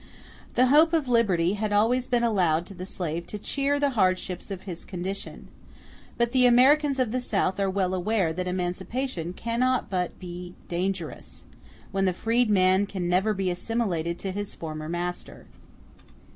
The hope of liberty had always been allowed to the slave to cheer the hardships of his condition. But the Americans of the South are well aware that emancipation cannot but be dangerous, when the freed man can never be assimilated to his former master.